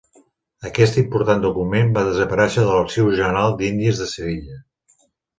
Aquest important document va desaparèixer de l'Arxiu General d'Índies de Sevilla.